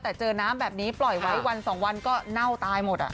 แต่เจอน้ำแบบนี้ปล่อยไว้วันสองวันก็เน่าตายหมด